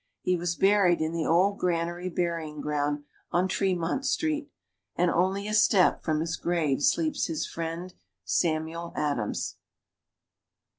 He was buried in the Old Granary Burying Ground, on Tremont Street, and only a step from his grave sleeps his friend Samuel Adams.